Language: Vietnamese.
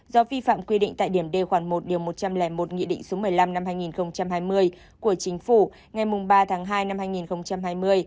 do vi phạm quy định tại điểm d khoản một điều một trăm linh một nghị định số một mươi năm năm hai nghìn hai mươi của chính phủ ngày ba tháng hai năm hai nghìn hai mươi